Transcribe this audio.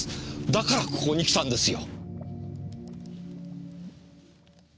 だからここに来たんですよ。